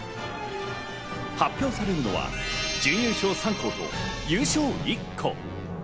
発表されるのは準優勝３校と優勝１校。